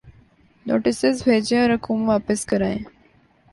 Notices بھیجیں اور رقوم واپس کرائیں۔